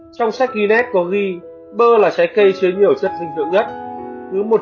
trong sách guinness có ghi bơ là trái cây chứa nhiều chất dinh dưỡng nhất